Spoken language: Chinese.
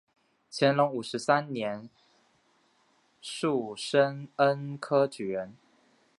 乾隆五十三年戊申恩科举人。